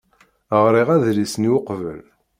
Ɣriɣ adlis-nni uqbel.